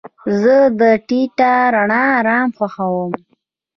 زه د ټیټه رڼا آرام خوښوم.